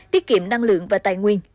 tiết kiệm năng lượng và tài nguyên